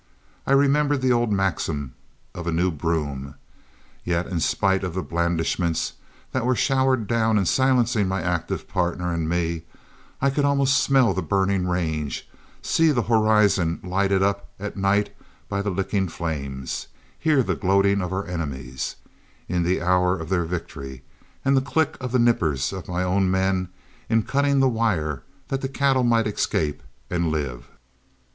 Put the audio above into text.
I remembered the old maxim of a new broom; yet in spite of the blandishments that were showered down in silencing my active partner and me, I could almost smell the burning range, see the horizon lighted up at night by the licking flames, hear the gloating of our enemies, in the hour of their victory, and the click of the nippers of my own men, in cutting the wire that the cattle might escape and live.